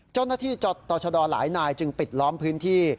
เจ้าหน้าที่ต่อชะดอหลายนายจึงปิดล้อมพื้นที่